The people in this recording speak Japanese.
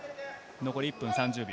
残り１分３０秒。